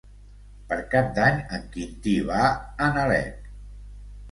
Per Cap d'Any en Quintí va a Nalec.